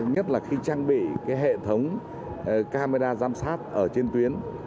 nhất là khi trang bị hệ thống camera giám sát ở trên tuyến